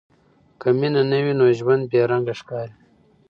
که مینه نه وي، نو ژوند بې رنګه ښکاري.